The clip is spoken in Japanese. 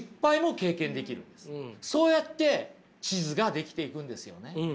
そうやって地図が出来ていくんですよね。